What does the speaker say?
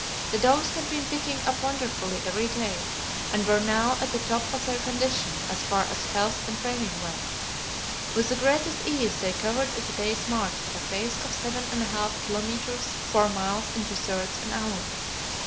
The dogs had been picking up wonderfully every day, and were now at the top of their condition, as far as health and training went. With the greatest ease they covered the day's march at a pace of seven and a half kilometres (four miles and two thirds) an hour.